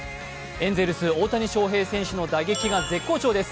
エンゼルス大谷翔平選手の打撃が絶好調です。